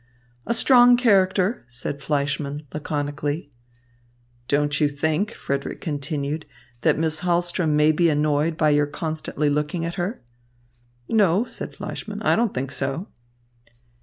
"A strong character!" said Fleischmann, laconically. "Don't you think," Frederick continued, "that Miss Hahlström may be annoyed by your constantly looking at her?" "No," said Fleischmann, "I don't think so."